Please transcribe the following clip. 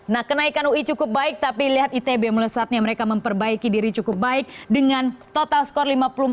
nah kenaikan ui cukup baik tapi lihat itb melesatnya mereka memperbaiki diri cukup baik dengan total skor lima puluh empat